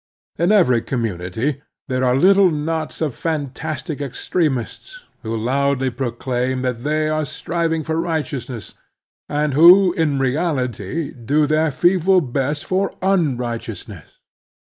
In every community there are little knots of fantastic extremists who loudly proclaim that they are striving for righteousness, and who, in reality, do their feeble best for un righteousness.